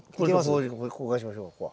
交換しましょうここは。